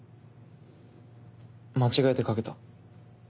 間違えて掛けた。